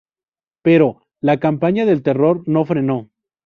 pero, la campaña del terror, no frenó